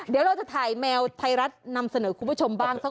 เดี๋ยวเราจะถ่ายแมวไทยรัฐนำเสนอคุณผู้ชมบ้าง